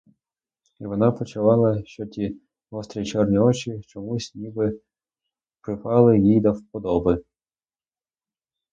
І вона почувала, що ті гострі чорні очі чомусь ніби припали їй до вподоби.